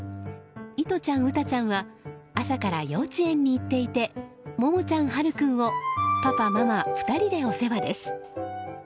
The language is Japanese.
いとちゃん、うたちゃんは朝から幼稚園に行っていてももちゃん、はる君をパパママ２人でお世話です。